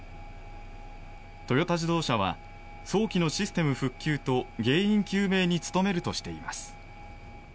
トヨタ自動車は早期のシステム復旧と原因究明に努めるとしています。